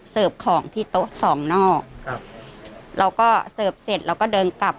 ของที่โต๊ะสองนอกครับเราก็เสิร์ฟเสร็จเราก็เดินกลับ